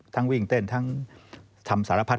ทั้งวิ่งเต้นทั้งทำสารภัทร